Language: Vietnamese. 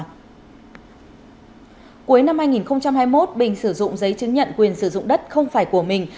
cuối năm hai nghìn hai mươi một bình sử dụng giấy chứng nhận quyền sử dụng đất không phải của mình